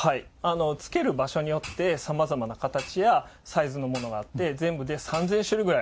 つける場所によってさまざまな形やサイズのものがあって全部で３，０００種類ぐらいあります。